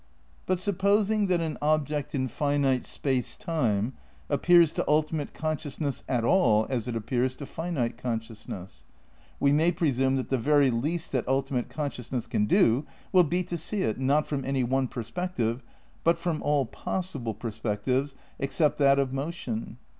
^ But supposing that an object in finite space time appears to ultimate consciousness at all as it appears to finite consciousness, we may presume that the very least that ultimate consciousness can do will be to see it, not from any one perspective but from all possible perspectives except that of motion.